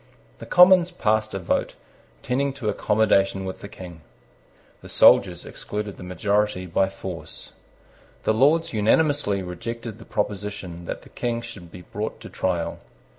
The Commons passed a vote tending to accommodation with the King. The soldiers excluded the majority by force. The Lords unanimously rejected the proposition that the King should be brought to trial.